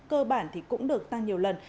cơ bản cũng được tăng nhiều lần